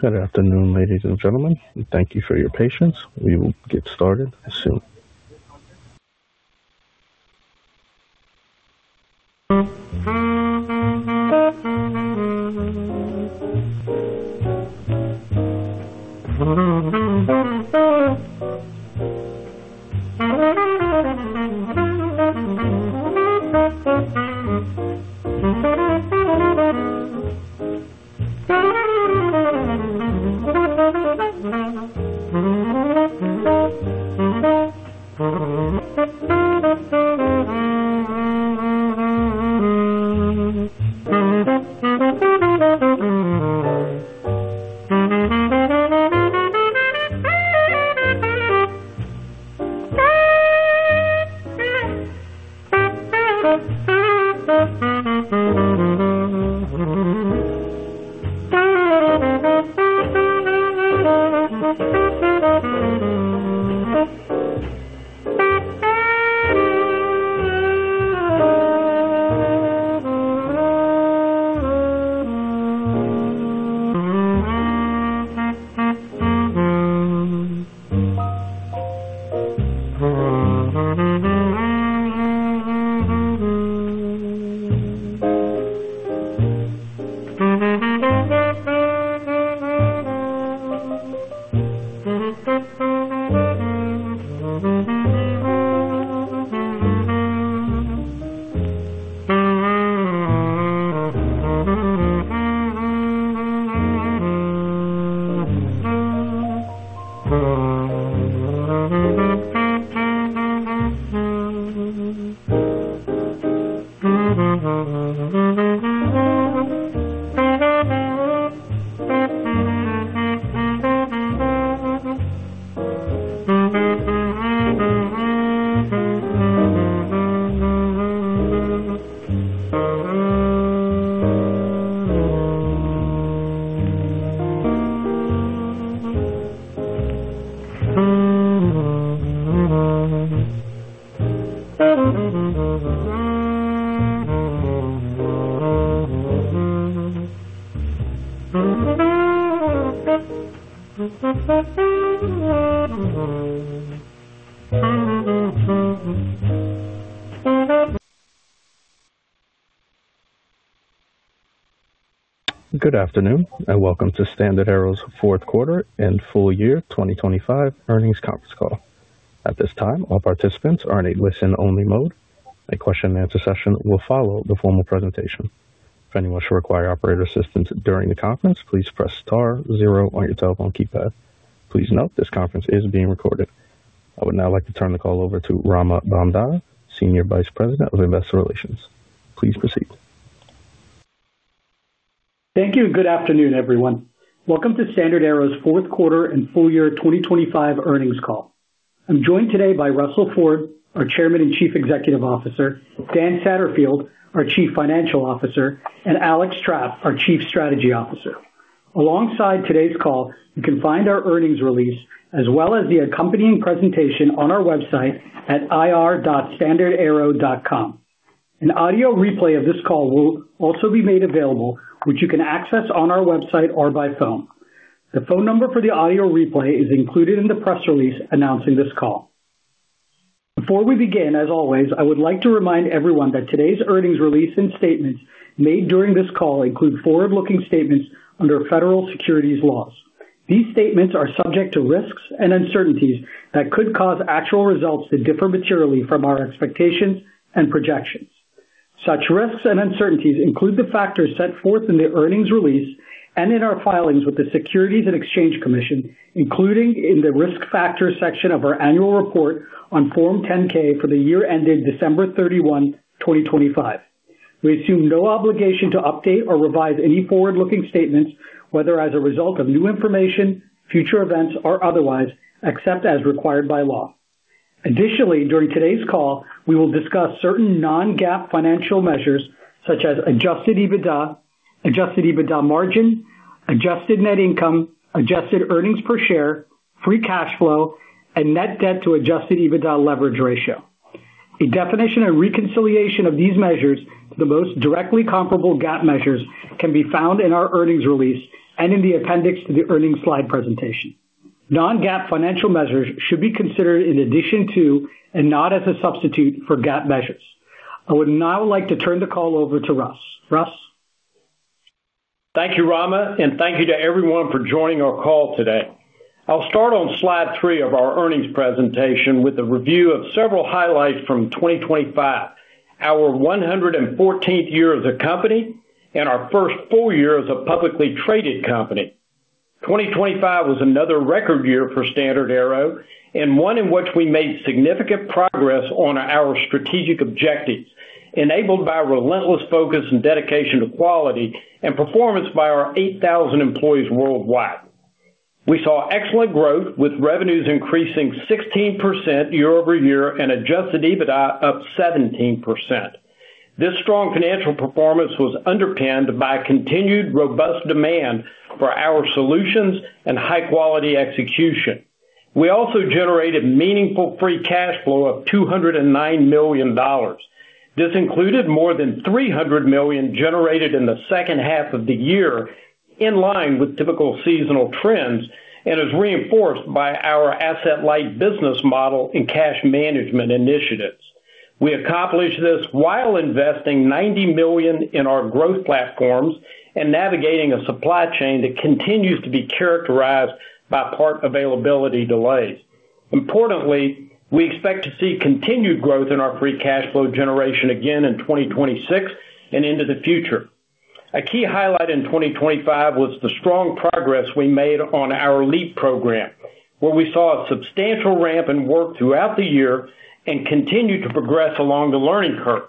Good afternoon, ladies and gentlemen. Thank you for your patience. We will get started soon. Good afternoon. Welcome to StandardAero's Q4 and Full Year 2025 Earnings Conference Call. At this time, all participants are in a listen-only mode. A question-and-answer session will follow the formal presentation. If anyone should require operator assistance during the conference, please press star zero on your telephone keypad. Please note, this conference is being recorded. I would now like to turn the call over to Rama Bondada, Senior Vice President of Investor Relations. Please proceed. Thank you, and good afternoon, everyone. Welcome to StandardAero's Q4 and full year 2025 earnings call. I'm joined today by Russell Ford, our Chairman and Chief Executive Officer, Dan Satterfield, our Chief Financial Officer, and Alex Trapp, our Chief Strategy Officer. Alongside today's call, you can find our earnings release as well as the accompanying presentation on our website at ir.standardaero.com. An audio replay of this call will also be made available, which you can access on our website or by phone. The phone number for the audio replay is included in the press release announcing this call. Before we begin, as always, I would like to remind everyone that today's earnings release and statements made during this call include forward-looking statements under federal securities laws. These statements are subject to risks and uncertainties that could cause actual results to differ materially from our expectations and projections. Such risks and uncertainties include the factors set forth in the earnings release and in our filings with the Securities and Exchange Commission, including in the Risk Factors section of our annual report on Form 10-K for the year ended December 31, 2025. We assume no obligation to update or revise any forward-looking statements, whether as a result of new information, future events, or otherwise, except as required by law. During today's call, we will discuss certain non-GAAP financial measures such as Adjusted EBITDA, Adjusted EBITDA Margin, Adjusted Net Income, Adjusted Earnings Per Share, Free Cash Flow, and Net Debt to Adjusted EBITDA Leverage Ratio. A definition and reconciliation of these measures to the most directly comparable GAAP measures can be found in our earnings release and in the appendix to the earnings slide presentation. Non-GAAP financial measures should be considered in addition to, and not as a substitute for GAAP measures. I would now like to turn the call over to Russ. Russ? Thank you, Rama, and thank you to everyone for joining our call today. I'll start on slide 3 of our earnings presentation with a review of several highlights from 2025, our 114th year as a company and our first full year as a publicly traded company. 2025 was another record year for StandardAero and one in which we made significant progress on our strategic objectives, enabled by relentless focus and dedication to quality and performance by our 8,000 employees worldwide. We saw excellent growth, with revenues increasing 16% year-over-year and Adjusted EBITDA up 17%. This strong financial performance was underpinned by continued robust demand for our solutions and high-quality execution. We also generated meaningful Free Cash Flow of $209 million. This included more than $300 million generated in the second half of the year, in line with typical seasonal trends, and is reinforced by our asset-light business model and cash management initiatives. We accomplished this while investing $90 million in our growth platforms and navigating a supply chain that continues to be characterized by part availability delays. Importantly, we expect to see continued growth in our Free Cash Flow generation again in 2026 and into the future. A key highlight in 2025 was the strong progress we made on our LEAP program, where we saw a substantial ramp in work throughout the year and continued to progress along the learning curve.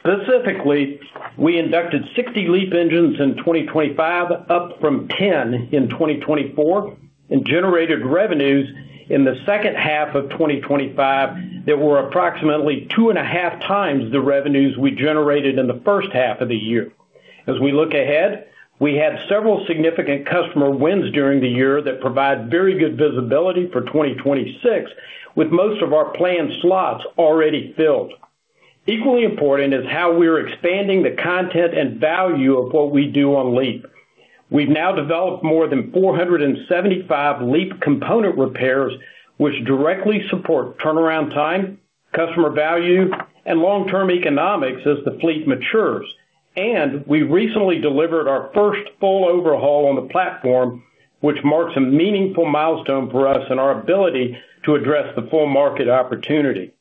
Specifically, we inducted 60 LEAP engines in 2025, up from 10 in 2024, and generated revenues in the second half of 2025 that were approximately 2.5x The revenues we generated in the first half of the year. As we look ahead, we had several significant customer wins during the year that provide very good visibility for 2026, with most of our planned slots already filled. Equally important is how we're expanding the content and value of what we do on LEAP. We've now developed more than 475 LEAP component repairs, which directly support turnaround time, customer value, and long-term economics as the fleet matures. We recently delivered our first full overhaul on the platform, which marks a meaningful milestone for us and our ability to address the full market opportunity.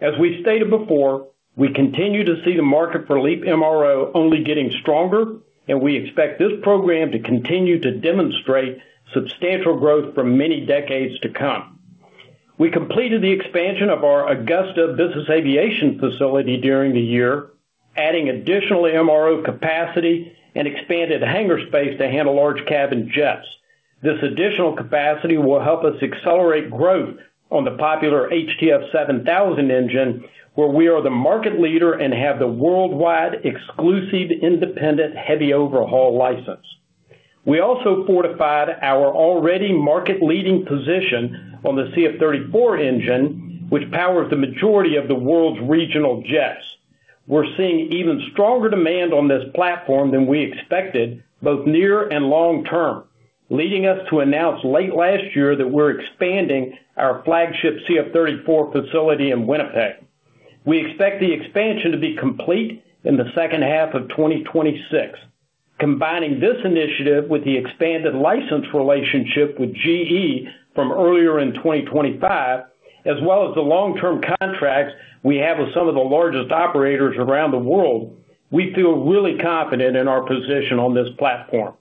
As we've stated before, we continue to see the market for LEAP MRO only getting stronger, and we expect this program to continue to demonstrate substantial growth for many decades to come. We completed the expansion of our Augusta Business Aviation facility during the year, adding additional MRO capacity and expanded hangar space to handle large cabin jets. This additional capacity will help us accelerate growth on the popular HTF7000 engine, where we are the market leader and have the worldwide exclusive, independent, heavy overhaul license. We also fortified our already market-leading position on the CF34 engine, which powers the majority of the world's regional jets. We're seeing even stronger demand on this platform than we expected, both near and long term, leading us to announce late last year that we're expanding our flagship CF34 facility in Winnipeg. We expect the expansion to be complete in the second half of 2026. Combining this initiative with the expanded license relationship with GE from earlier in 2025, as well as the long-term contracts we have with some of the largest operators around the world, we feel really confident in our position on this platform.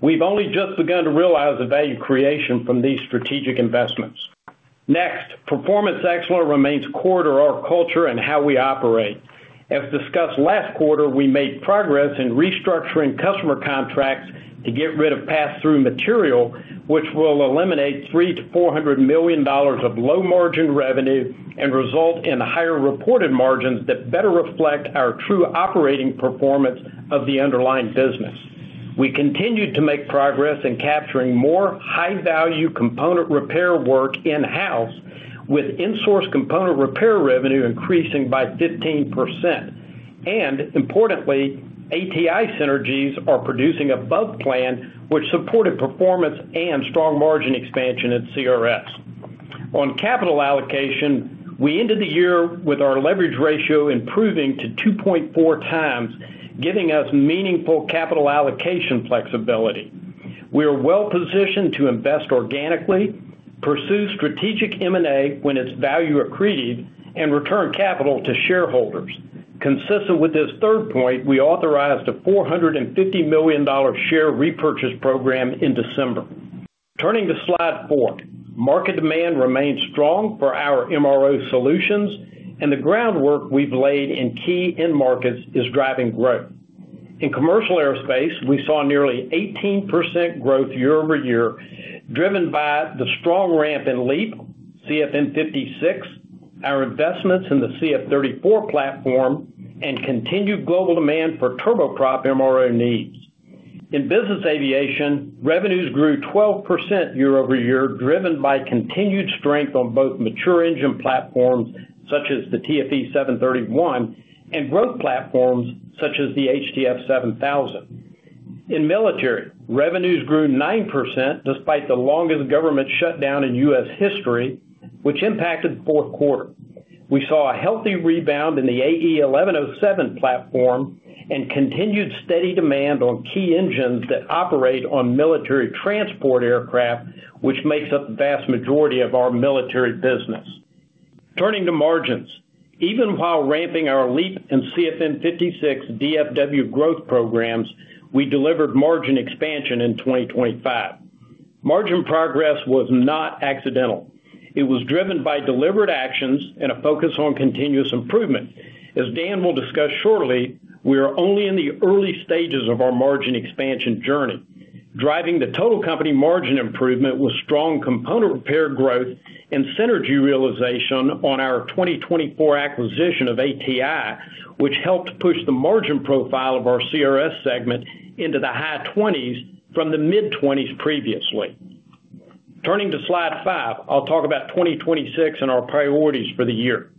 We've only just begun to realize the value creation from these strategic investments. Next, performance excellence remains core to our culture and how we operate. As discussed last quarter, we made progress in restructuring customer contracts to get rid of pass-through material, which will eliminate $300-$400 million of low-margin revenue and result in higher reported margins that better reflect our true operating performance of the underlying business. We continued to make progress in capturing more high-value component repair work in-house, with insourced component repair revenue increasing by 15%. Importantly, ATI synergies are producing above plan, which supported performance and strong margin expansion at CRS. On capital allocation, we ended the year with our leverage ratio improving to 2.4 times, giving us meaningful capital allocation flexibility. We are well positioned to invest organically, pursue strategic M&A when it's value accretive, and return capital to shareholders. Consistent with this third point, we authorized a $450 million share repurchase program in December. Turning to slide 4. Market demand remains strong for our MRO solutions, the groundwork we've laid in key end markets is driving growth. In commercial aerospace, we saw nearly 18% growth year-over-year, driven by the strong ramp in LEAP, CFM56, our investments in the CF34 platform, and continued global demand for turboprop MRO needs. In business aviation, revenues grew 12% year-over-year, driven by continued strength on both mature engine platforms, such as the TFE731, and growth platforms, such as the HTF7000. In military, revenues grew 9%, despite the longest government shutdown in U.S. history, which impacted Q4. We saw a healthy rebound in the AE1107 platform and continued steady demand on key engines that operate on military transport aircraft, which makes up the vast majority of our military business. Turning to margins. Even while ramping our LEAP and CFM56 DFW growth programs, we delivered margin expansion in 2025. Margin progress was not accidental. It was driven by deliberate actions and a focus on continuous improvement. As Dan will discuss shortly, we are only in the early stages of our margin expansion journey. Driving the total company margin improvement was strong component repair growth and synergy realization on our 2024 acquisition of ATI, which helped push the margin profile of our CRS segment into the high 20s from the mid-20s previously. Turning to slide 5, I'll talk about 2026 and our priorities for the year.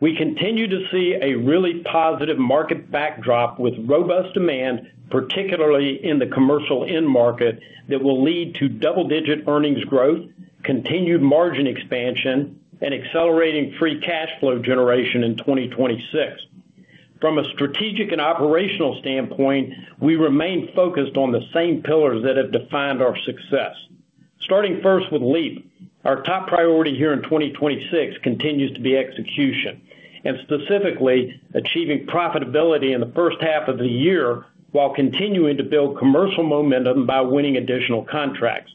We continue to see a really positive market backdrop with robust demand, particularly in the commercial end market, that will lead to double-digit earnings growth, continued margin expansion, and accelerating Free Cash Flow generation in 2026. From a strategic and operational standpoint, we remain focused on the same pillars that have defined our success. Starting first with LEAP, our top priority here in 2026 continues to be execution, and specifically, achieving profitability in the first half of the year, while continuing to build commercial momentum by winning additional contracts.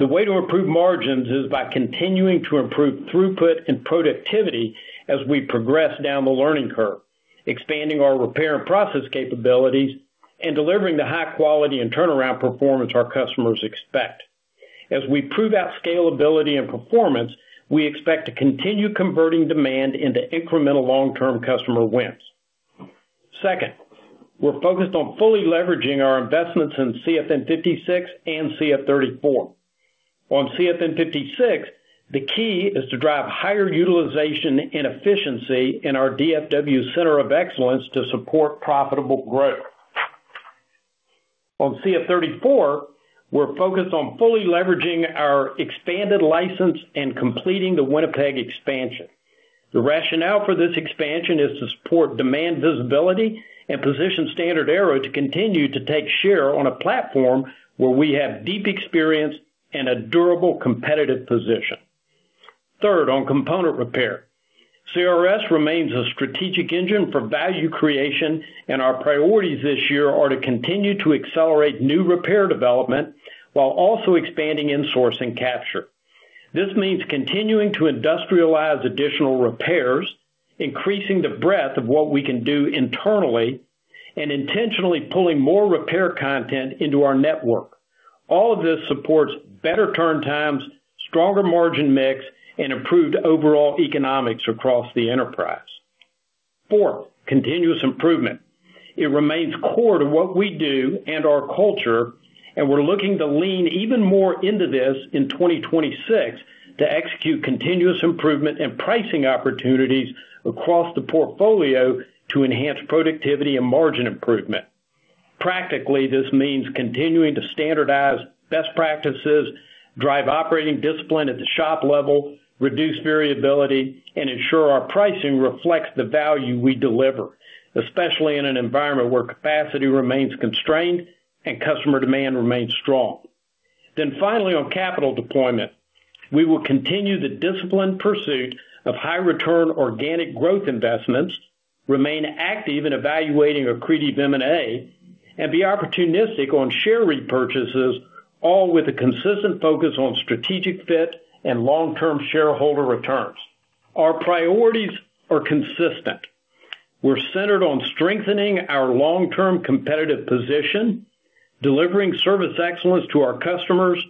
The way to improve margins is by continuing to improve throughput and productivity as we progress down the learning curve, expanding our repair and process capabilities, and delivering the high quality and turnaround performance our customers expect. As we prove out scalability and performance, we expect to continue converting demand into incremental long-term customer wins. Second, we're focused on fully leveraging our investments in CFM56 and CF34. On CFM56, the key is to drive higher utilization and efficiency in our DFW Center of Excellence to support profitable growth. On CF34, we're focused on fully leveraging our expanded license and completing the Winnipeg expansion. The rationale for this expansion is to support demand visibility and position StandardAero to continue to take share on a platform where we have deep experience and a durable competitive position. Third, on component repair. CRS remains a strategic engine for value creation, and our priorities this year are to continue to accelerate new repair development while also expanding insourcing capture. This means continuing to industrialize additional repairs, increasing the breadth of what we can do internally, and intentionally pulling more repair content into our network. All of this supports better turn times, stronger margin mix, and improved overall economics across the enterprise. Fourth, continuous improvement. It remains core to what we do and our culture, and we're looking to lean even more into this in 2026 to execute continuous improvement and pricing opportunities across the portfolio to enhance productivity and margin improvement. Practically, this means continuing to standardize best practices, drive operating discipline at the shop level, reduce variability, and ensure our pricing reflects the value we deliver, especially in an environment where capacity remains constrained and customer demand remains strong. Finally, on capital deployment, we will continue the disciplined pursuit of high return organic growth investments, remain active in evaluating accretive M&A, and be opportunistic on share repurchases, all with a consistent focus on strategic fit and long-term shareholder returns. Our priorities are consistent. We're centered on strengthening our long-term competitive position, delivering service excellence to our customers,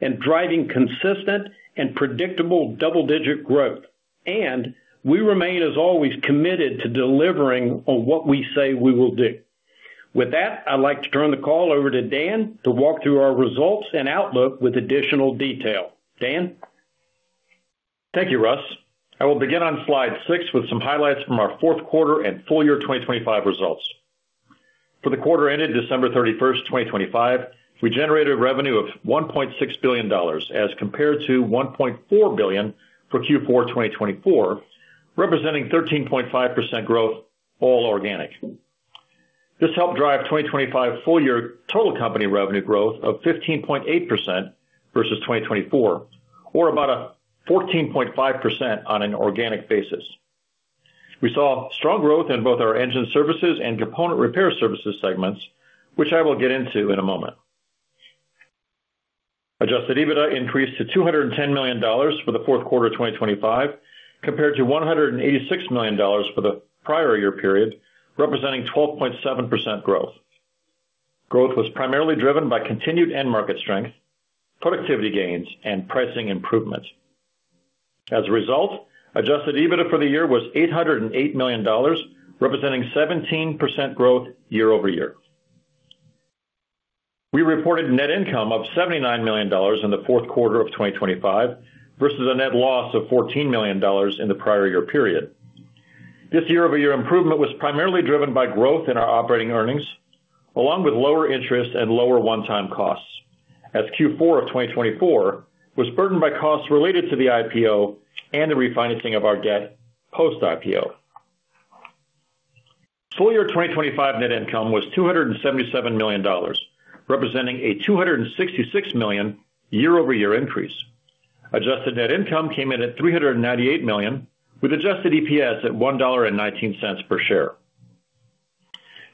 and driving consistent and predictable double-digit growth. We remain, as always, committed to delivering on what we say we will do. With that, I'd like to turn the call over to Dan to walk through our results and outlook with additional detail. Dan? Thank you, Russ. I will begin on slide six with some highlights from our Q4 and full year 2025 results. For the quarter ended December thirty-first, 2025, we generated revenue of $1.6 billion, as compared to $1.4 billion for Q4 2024, representing 13.5% growth, all organic. This helped drive 2025 full year total company revenue growth of 15.8% versus 2024, or about a 14.5% on an organic basis. We saw strong growth in both our Engine Services and Component Repair Services segments, which I will get into in a moment. Adjusted EBITDA increased to $210 million for the fourth quarter of 2025, compared to $186 million for the prior year period, representing 12.7% growth. Growth was primarily driven by continued end market strength, productivity gains, and pricing improvements. As a result, Adjusted EBITDA for the year was $808 million, representing 17% growth year-over-year. We reported net income of $79 million in the Q4 of 2025, versus a net loss of $14 million in the prior year period. This year-over-year improvement was primarily driven by growth in our operating earnings, along with lower interest and lower one-time costs, as Q4 of 2024 was burdened by costs related to the IPO and the refinancing of our debt post-IPO. Full year 2025 net income was $277 million, representing a $266 million year-over-year increase. Adjusted Net Income came in at $398 million, with Adjusted EPS at $1.19 per share.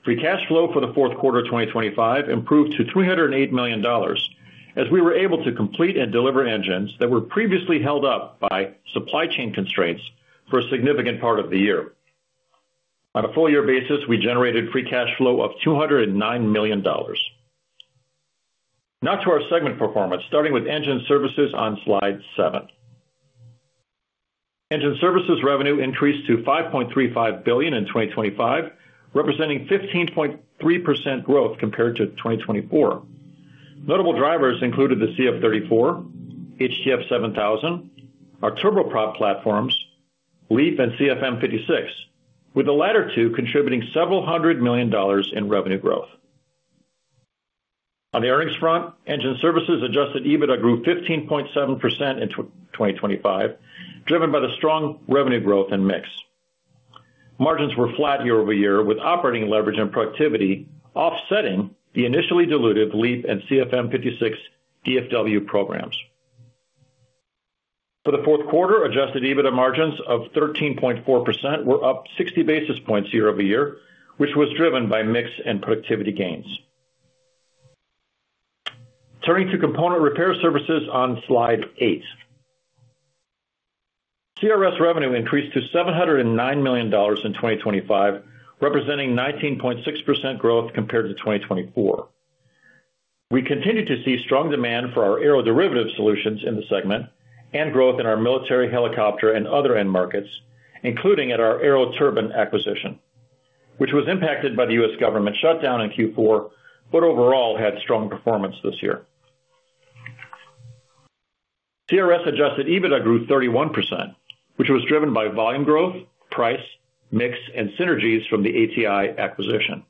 Free cash flow for the Q4 of 2025 improved to $308 million, as we were able to complete and deliver engines that were previously held up by supply chain constraints for a significant part of the year. On a full year basis, we generated free cash flow of $209 million. Now to our segment performance, starting with Engine Services on slide 7. Engine Services revenue increased to $5.35 billion in 2025, representing 15.3% growth compared to 2024. Notable drivers included the CF34, HTF7000, our turboprop platforms, LEAP and CFM56, with the latter two contributing $several hundred million in revenue growth. On the earnings front, Engine Services Adjusted EBITDA grew 15.7% in 2025, driven by the strong revenue growth and mix. Margins were flat year-over-year, with operating leverage and productivity offsetting the initially diluted LEAP and CFM56 DFW programs. For the Q4, Adjusted EBITDA Margins of 13.4% were up 60 basis points year-over-year, which was driven by mix and productivity gains. Turning to Component Repair Services on Slide 8. CRS revenue increased to $709 million in 2025, representing 19.6% growth compared to 2024. We continued to see strong demand for our aeroderivative solutions in the segment and growth in our military, helicopter, and other end markets, including at our Aero Turbine acquisition, which was impacted by the U.S. government shutdown in Q4, but overall had strong performance this year. CRS Adjusted EBITDA grew 31%, which was driven by volume growth, price, mix, and synergies from the ATI acquisition.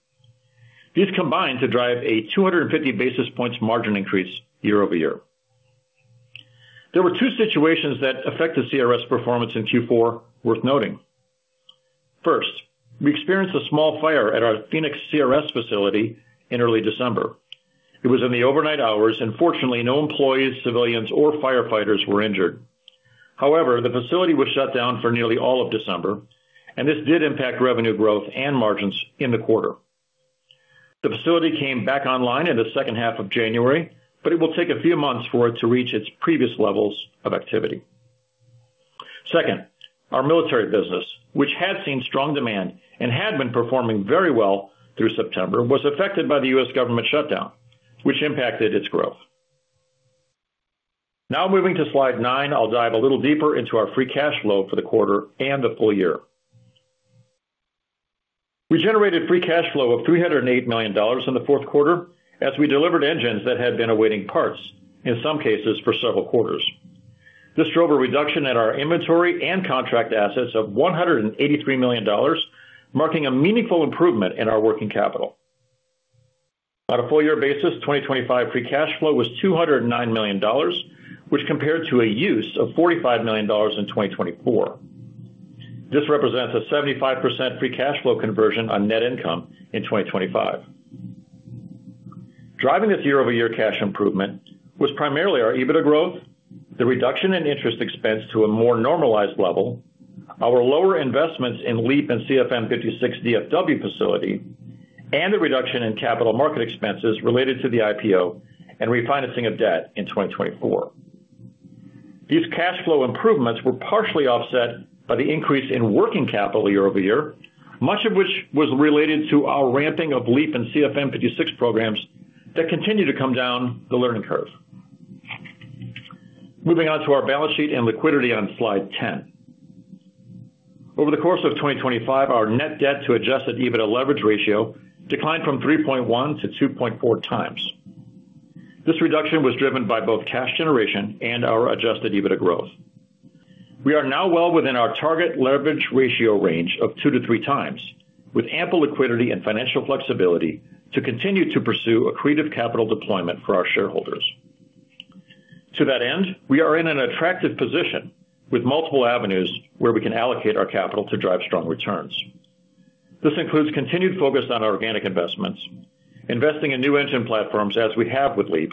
These combined to drive a 250 basis points margin increase year-over-year. There were two situations that affected CRS performance in Q4 worth noting. First, we experienced a small fire at our Phoenix CRS facility in early December. It was in the overnight hours, and fortunately, no employees, civilians, or firefighters were injured. However, the facility was shut down for nearly all of December, and this did impact revenue growth and margins in the quarter. The facility came back online in the second half of January, but it will take a few months for it to reach its previous levels of activity. Second, our military business, which had seen strong demand and had been performing very well through September, was affected by the U.S. government shutdown, which impacted its growth. Moving to Slide 9, I'll dive a little deeper into our Free Cash Flow for the quarter and the full year. We generated Free Cash Flow of $308 million in the Q4 as we delivered engines that had been awaiting parts, in some cases, for several quarters. This drove a reduction in our inventory and contract assets of $183 million, marking a meaningful improvement in our working capital. On a full year basis, 2025 Free Cash Flow was $209 million, which compared to a use of $45 million in 2024. This represents a 75% Free Cash Flow conversion on net income in 2025. Driving this year-over-year cash improvement was primarily our EBITDA growth, the reduction in interest expense to a more normalized level, our lower investments in LEAP and CFM56 DFW facility, and the reduction in capital market expenses related to the IPO and refinancing of debt in 2024. These cash flow improvements were partially offset by the increase in working capital year-over-year, much of which was related to our ramping of LEAP and CFM56 programs that continue to come down the learning curve. Moving on to our balance sheet and liquidity on Slide 10. Over the course of 2025, our Net Debt to Adjusted EBITDA Leverage Ratio declined from 3.1-2.4 times. This reduction was driven by both cash generation and our Adjusted EBITDA growth. We are now well within our target leverage ratio range of 2-3 times, with ample liquidity and financial flexibility to continue to pursue accretive capital deployment for our shareholders. To that end, we are in an attractive position with multiple avenues where we can allocate our capital to drive strong returns. This includes continued focus on organic investments, investing in new engine platforms as we have with LEAP,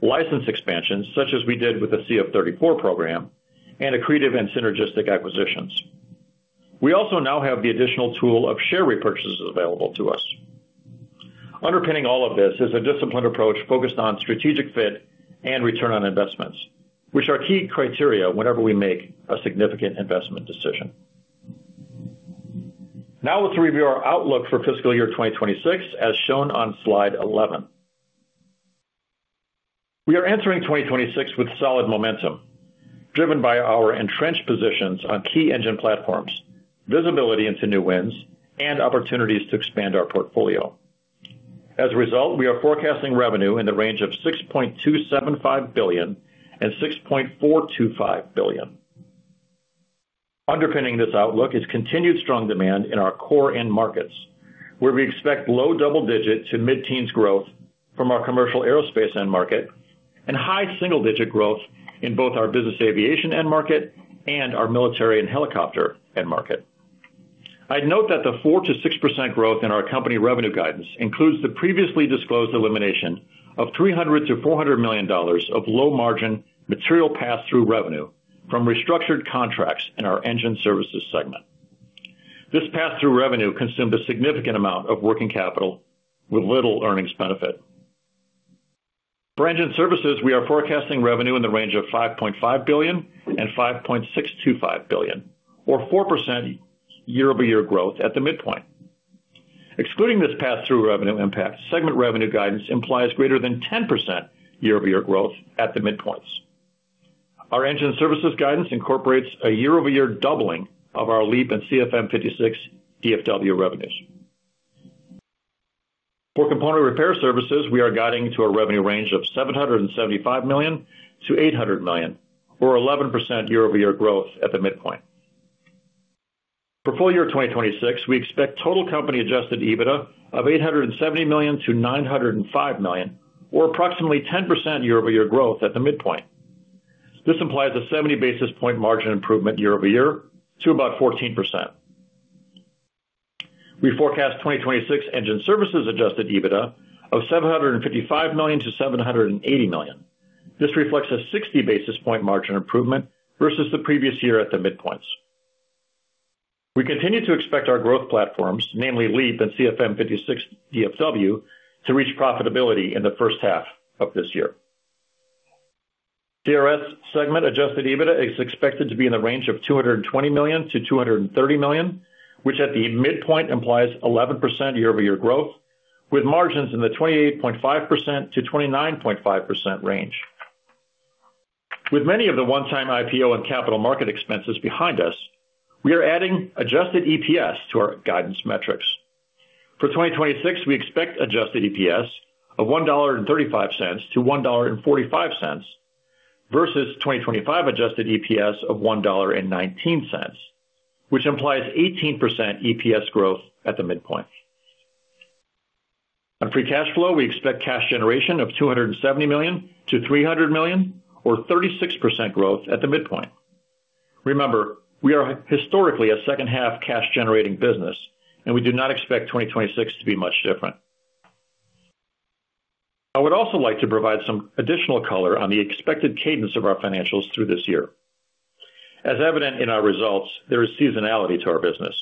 license expansions such as we did with the CF34 program, and accretive and synergistic acquisitions. We also now have the additional tool of share repurchases available to us. Underpinning all of this is a disciplined approach focused on strategic fit and return on investments, which are key criteria whenever we make a significant investment decision. Now let's review our outlook for fiscal year 2026, as shown on Slide 11. We are entering 2026 with solid momentum, driven by our entrenched positions on key engine platforms, visibility into new wins, and opportunities to expand our portfolio. As a result, we are forecasting revenue in the range of $6.275 billion and $6.425 billion. Underpinning this outlook is continued strong demand in our core end markets, where we expect low double-digit to mid-teens growth from our commercial aerospace end market, and high single-digit growth in both our business aviation end market and our military and helicopter end market. I'd note that the 4%-6% growth in our company revenue guidance includes the previously disclosed elimination of $300-$400 million of low-margin material pass-through revenue from restructured contracts in our Engine Services segment. This pass-through revenue consumed a significant amount of working capital with little earnings benefit. For Engine Services, we are forecasting revenue in the range of $5.5-$5.625 billion, or 4% year-over-year growth at the midpoint. Excluding this pass-through revenue impact, segment revenue guidance implies greater than 10% year-over-year growth at the midpoints. Our Engine Services guidance incorporates a year-over-year doubling of our LEAP and CFM56 DFW revenues. For Component Repair Services, we are guiding to a revenue range of $775-$800 million, or 11% year-over-year growth at the midpoint. For full year 2026, we expect total company Adjusted EBITDA of $870-$905 million, or approximately 10% year-over-year growth at the midpoint. This implies a 70 basis point margin improvement year-over-year to about 14%. We forecast 2026 Engine Services Adjusted EBITDA of $755-$780 million. This reflects a 60 basis point margin improvement versus the previous year at the midpoints. We continue to expect our growth platforms, namely LEAP and CFM56 DFW, to reach profitability in the first half of this year. CRS segment Adjusted EBITDA is expected to be in the range of $220-$230 million, which at the midpoint implies 11% year-over-year growth, with margins in the 28.5%-29.5% range. With many of the one-time IPO and capital market expenses behind us, we are adding Adjusted EPS to our guidance metrics. For 2026, we expect Adjusted EPS of $1.35-$1.45, versus 2025 Adjusted EPS of $1.19, which implies 18% EPS growth at the midpoint. On Free Cash Flow, we expect cash generation of $270 to $300 million, or 36% growth at the midpoint. Remember, we are historically a second-half cash-generating business, and we do not expect 2026 to be much different. I would also like to provide some additional color on the expected cadence of our financials through this year. As evident in our results, there is seasonality to our business.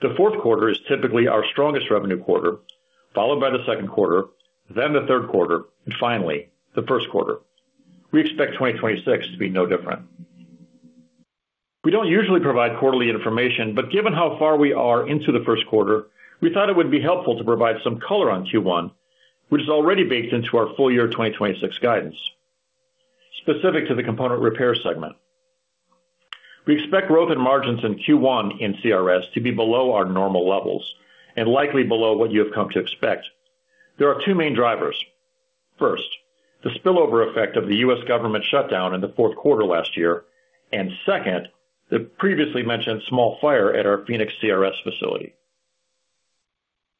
The Q4 is typically our strongest revenue quarter, followed by the second quarter, then the third quarter, and finally, the first quarter. We expect 2026 to be no different. We don't usually provide quarterly information, but given how far we are into the first quarter, we thought it would be helpful to provide some color on Q1, which is already baked into our full year 2026 guidance. Specific to the component repair segment, we expect growth in margins in Q1 in CRS to be below our normal levels and likely below what you have come to expect. There are two main drivers. First, the spillover effect of the U.S. government shutdown in the Q4 last year, and second, the previously mentioned small fire at our Phoenix CRS facility.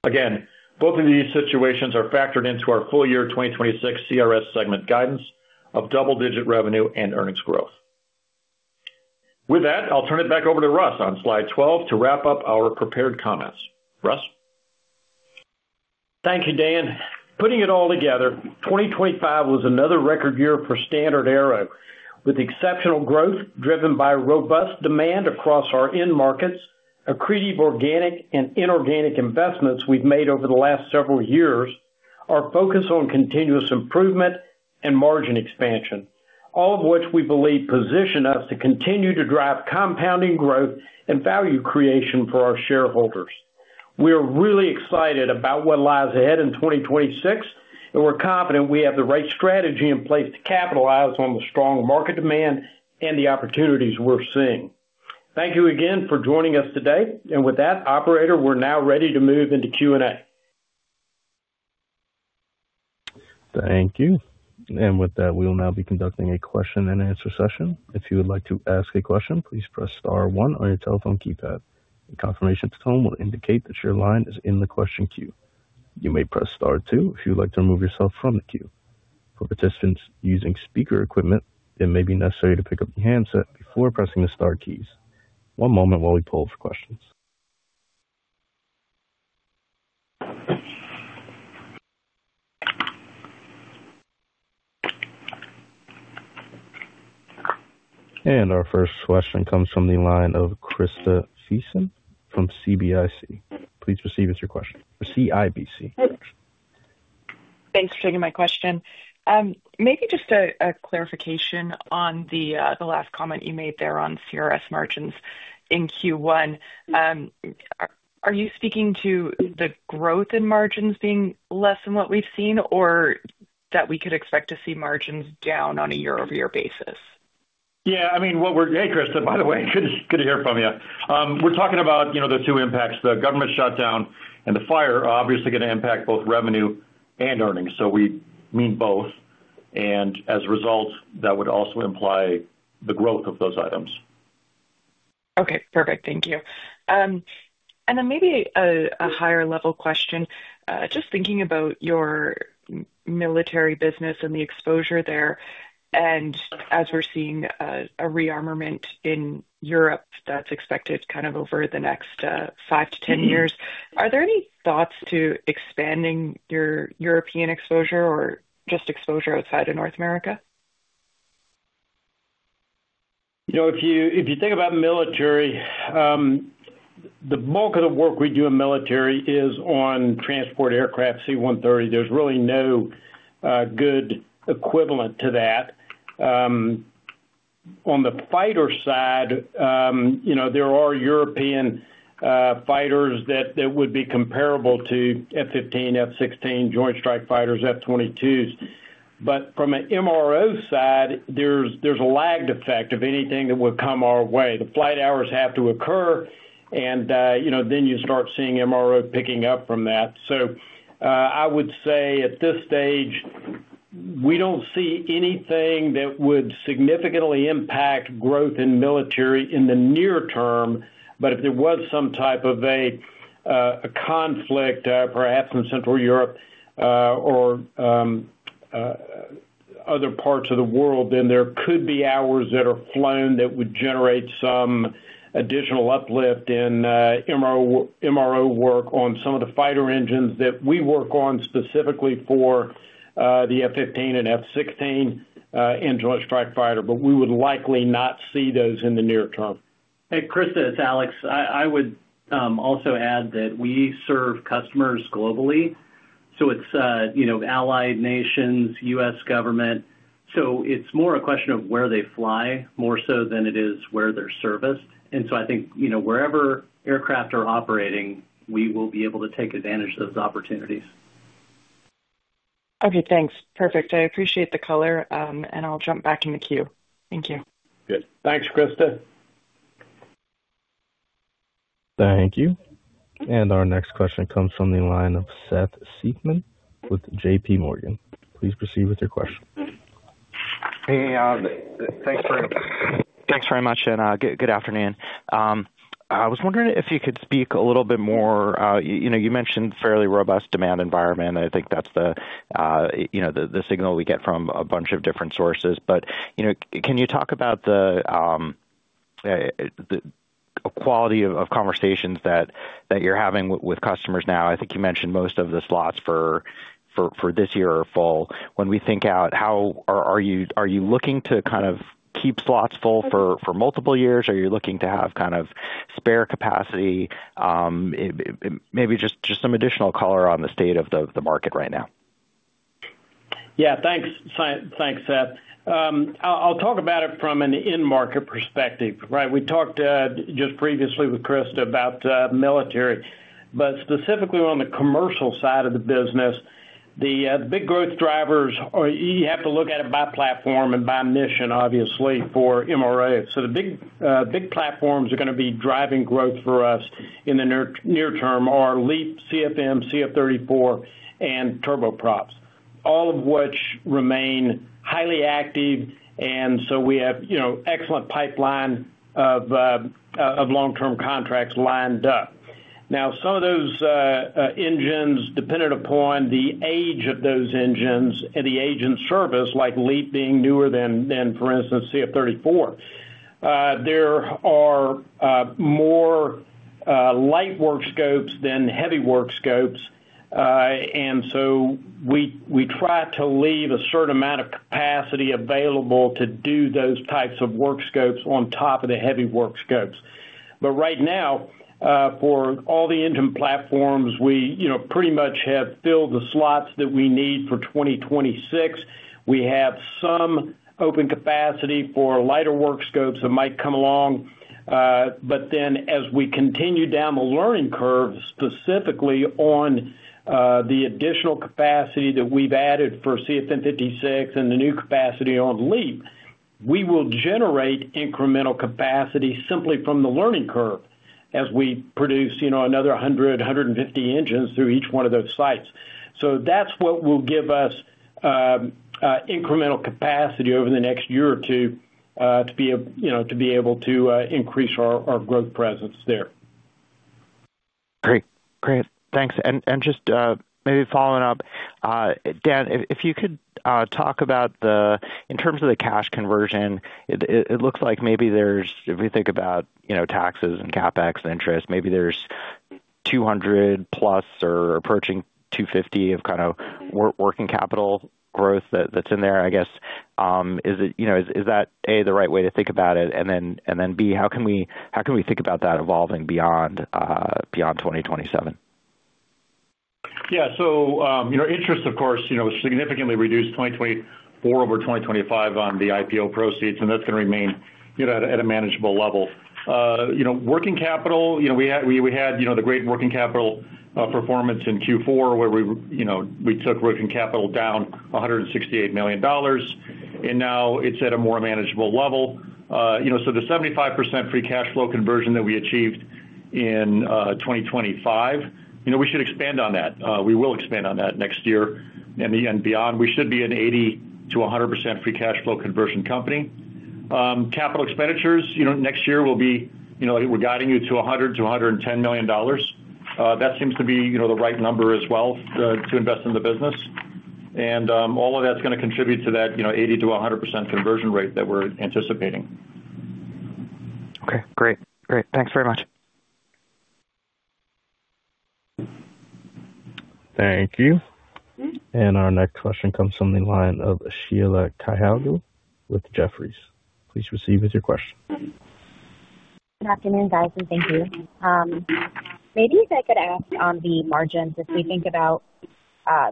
Again, both of these situations are factored into our full year 2026 CRS segment guidance of double-digit revenue and earnings growth. With that, I'll turn it back over to Russ on slide 12 to wrap up our prepared comments. Russ? Thank you, Dan. Putting it all together, 2025 was another record year for StandardAero, with exceptional growth driven by robust demand across our end markets, accretive, organic and inorganic investments we've made over the last several years, our focus on continuous improvement and margin expansion, all of which we believe position us to continue to drive compounding growth and value creation for our shareholders. We are really excited about what lies ahead in 2026, and we're confident we have the right strategy in place to capitalize on the strong market demand and the opportunities we're seeing. Thank you again for joining us today. With that, operator, we're now ready to move into Q&A. Thank you. With that, we will now be conducting a question-and-answer session. If you would like to ask a question, please press star one on your telephone keypad. A confirmation tone will indicate that your line is in the question queue. You may press star two if you would like to remove yourself from the queue. For participants using speaker equipment, it may be necessary to pick up the handset before pressing the star keys. One moment while we pull for questions. Our first question comes from the line of Krista Friesen from CIBC. Please proceed with your question. CIBC. Thanks for taking my question. Maybe just a clarification on the last comment you made there on CRS margins in Q1. Are you speaking to the growth in margins being less than what we've seen, or that we could expect to see margins down on a year-over-year basis? Yeah, I mean, Hey, Krista, by the way, good to hear from you. We're talking about, you know, the two impacts, the government shutdown and the fire are obviously going to impact both revenue and earnings. We mean both. As a result, that would also imply the growth of those items. Okay, perfect. Thank you. Then maybe a higher level question. Just thinking about your military business and the exposure there, and as we're seeing, a rearmament in Europe that's expected kind of over the next 5-10 years, are there any thoughts to expanding your European exposure or just exposure outside of North America? You know, if you think about military, the bulk of the work we do in military is on transport aircraft, C-130. There's really no good equivalent to that on the fighter side, you know, there are European fighters that would be comparable to F-15, F-16, Joint Strike Fighters, F-22s. From an MRO side, there's a lagged effect, if anything, that would come our way. The flight hours have to occur, and, you know, then you start seeing MRO picking up from that. I would say at this stage, we don't see anything that would significantly impact growth in military in the near term. If there was some type of a conflict, perhaps in Central Europe, or other parts of the world, there could be hours that are flown that would generate some additional uplift in MRO work on some of the fighter engines that we work on specifically for the F-15 and F-16 and Joint Strike Fighter. We would likely not see those in the near term. Hey, Krista, it's Alex. I would also add that we serve customers globally, so it's, you know, allied nations, U.S. government, so it's more a question of where they fly, more so than it is where they're serviced. I think, you know, wherever aircraft are operating, we will be able to take advantage of those opportunities. Okay, thanks. Perfect. I appreciate the color, and I'll jump back in the queue. Thank you. Good. Thanks, Krista. Thank you. Our next question comes from the line of Seth Seifman with JPMorgan. Please proceed with your question. Hey, thanks very much, good afternoon. I was wondering if you could speak a little bit more, you know, you mentioned fairly robust demand environment, and I think that's the, you know, the signal we get from a bunch of different sources. You know, can you talk about the quality of conversations that you're having with customers now? I think you mentioned most of the slots for this year are full. When we think out, are you looking to kind of keep slots full for multiple years, or are you looking to have kind of spare capacity? It maybe just some additional color on the state of the market right now. Thanks, Seth. I'll talk about it from an end market perspective, right? We talked just previously with Krista about military, specifically on the commercial side of the business, the big growth drivers are, you have to look at it by platform and by mission, obviously, for MRO. The big platforms are gonna be driving growth for us in the near term are LEAP, CFM, CF34, and turboprops, all of which remain highly active, we have, you know, excellent pipeline of long-term contracts lined up. Some of those engines, dependent upon the age of those engines and the age in service, like LEAP being newer than, for instance, CF34, there are more light work scopes than heavy work scopes. We, we try to leave a certain amount of capacity available to do those types of work scopes on top of the heavy work scopes. Right now, for all the engine platforms, we, you know, pretty much have filled the slots that we need for 2026. We have some open capacity for lighter work scopes that might come along. As we continue down the learning curve, specifically on the additional capacity that we've added for CFM56 and the new capacity on LEAP, we will generate incremental capacity simply from the learning curve as we produce, you know, another 100, 150 engines through each one of those sites. That's what will give us incremental capacity over the next year or two, you know, to be able to increase our growth presence there. Great. Thanks. Just, maybe following up, Dan, if you could talk about the in terms of the cash conversion, it looks like maybe there's, if we think about, you know, taxes and CapEx and interest, maybe there's $200 plus or approaching $250 of working capital growth that's in there, I guess, is it, you know, is that, A, the right way to think about it? Then, B, how can we think about that evolving beyond 2027? You know, interest, of course, you know, significantly reduced 2024 over 2025 on the IPO proceeds, and that's gonna remain, you know, at a manageable level. You know, working capital, you know, we had, you know, the great working capital performance in Q4, where we, you know, we took working capital down $168 million, and now it's at a more manageable level. You know, so the 75% Free Cash Flow conversion that we achieved in 2025, you know, we should expand on that. We will expand on that next year and even beyond. We should be an 80%-100% Free Cash Flow conversion company. Capital expenditures, you know, next year will be, you know, we're guiding you to $100 million-$110 million. That seems to be, you know, the right number as well, to invest in the business. All of that's gonna contribute to that, you know, 80%-100% conversion rate that we're anticipating. Okay, great. Great. Thanks very much. Thank you. Our next question comes from the line of Sheila Kahyaoglu with Jefferies. Please proceed with your question. Good afternoon, guys, and thank you. Maybe if I could ask on the margins, if we think about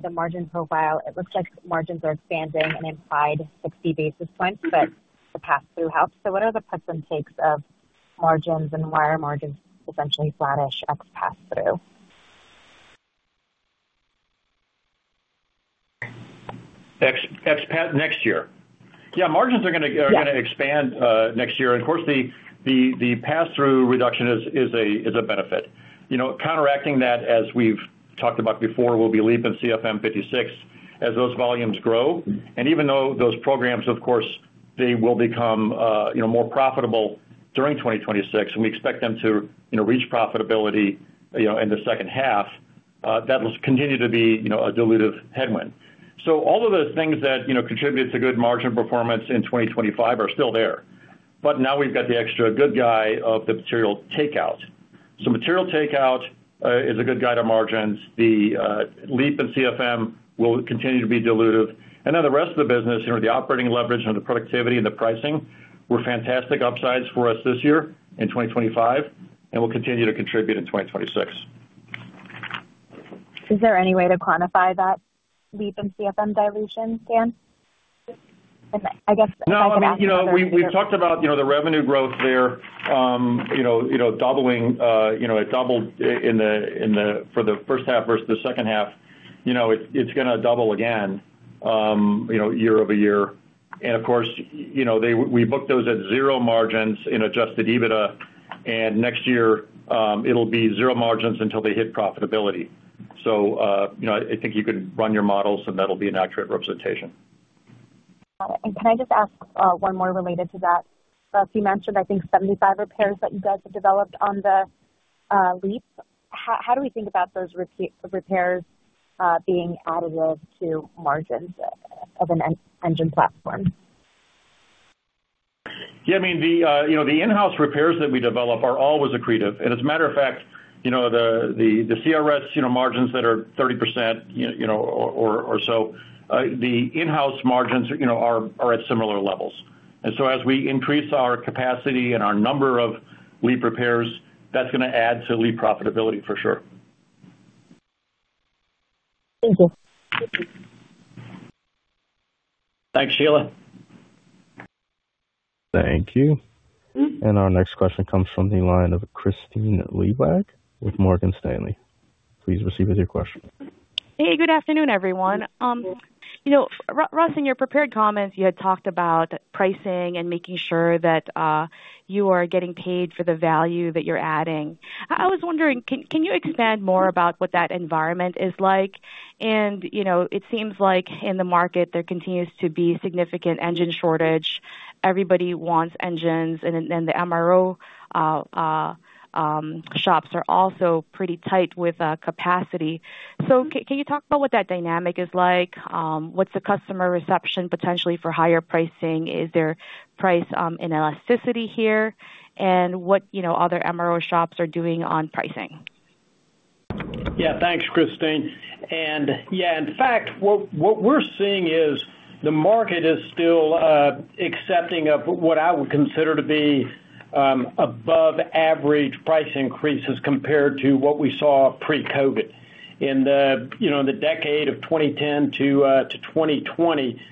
the margin profile, it looks like margins are expanding an implied 60 basis points, but the pass-through helps. What are the puts and takes of margins, and why are margins essentially flattish ex pass-through? Next year? Yeah, margins are gonna... Yeah. -expand next year. Of course, the pass-through reduction is a benefit. You know, counteracting that, as we've talked about before, will be LEAP in CFM56 as those volumes grow. Even though those programs, of course, they will become, you know, more profitable during 2026, and we expect them to, you know, reach profitability, you know, in the second half, that will continue to be, you know, a dilutive headwind. All of the things that, you know, contribute to good margin performance in 2025 are still there, but now we've got the extra good guy of the material takeout. Material takeout is a good guide to margins. The LEAP and CFM will continue to be dilutive, and then the rest of the business, you know, the operating leverage and the productivity and the pricing, were fantastic upsides for us this year in 2025, and will continue to contribute in 2026. Is there any way to quantify that LEAP and CFM dilution, Dan? Okay. No, I mean, you know, we talked about, you know, the revenue growth there, you know, doubling, you know, it doubled for the first half versus the second half. You know, it's gonna double again, you know, year-over-year. Of course, you know, we book those at zero margins in Adjusted EBITDA, and next year, it'll be zero margins until they hit profitability. You know, I think you could run your models, and that'll be an accurate representation. Can I just ask, one more related to that? You mentioned, I think, 75 repairs that you guys have developed on the LEAP. How, how do we think about those repairs, being additive to margins of an engine platform? I mean, you know, the in-house repairs that we develop are always accretive. As a matter of fact, you know, the CRS, you know, margins that are 30%, you know, or so, the in-house margins, you know, are at similar levels. As we increase our capacity and our number of LEAP repairs, that's gonna add to LEAP profitability for sure. Thank you. Thanks, Sheila. Thank you. Our next question comes from the line of Kristine Liwag with Morgan Stanley. Please proceed with your question. Hey, good afternoon, everyone. you know, Russ, in your prepared comments, you had talked about pricing and making sure that you are getting paid for the value that you're adding. I was wondering, can you expand more about what that environment is like? you know, it seems like in the market, there continues to be significant engine shortage. Everybody wants engines, and then the MRO shops are also pretty tight with capacity. can you talk about what that dynamic is like? What's the customer reception potentially for higher pricing? Is there price inelasticity here, and what, you know, other MRO shops are doing on pricing? Yeah, thanks, Kristine. Yeah, in fact, what we're seeing is the market is still accepting of what I would consider to be above average price increases compared to what we saw pre-COVID. In the, you know, in the decade of 2010 to 2020,